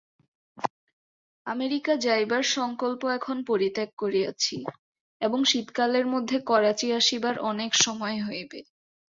America যাইবার সঙ্কল্প এখন পরিত্যাগ করিয়াছি এবং শীতকালের মধ্যে করাচি আসিবার অনেক সময় হইবে।